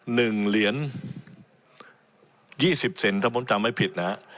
หนึ่งเหรียญยี่สิบเซนถ้าผมจำไม่ผิดนะฮะ